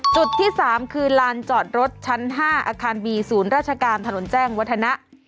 จุดที่๓คือลานจอดรถชั้น๕อาคารบีศูนย์ราชการถนนแจ้งวัฒนะ